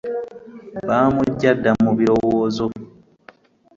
Baamuggya dda mu birowoozo.